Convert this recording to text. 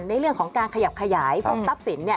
ในเรื่องของการขยับขยายพวกทรัพย์สิน